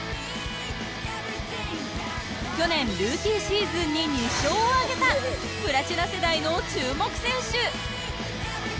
去年ルーキーシーズンに２勝をあげたプラチナ世代の注目選手。